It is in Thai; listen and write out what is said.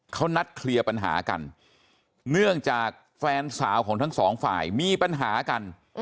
เขานัดเคลียร์ปัญหากันเนื่องจากแฟนสาวของทั้งสองฝ่ายมีปัญหากัน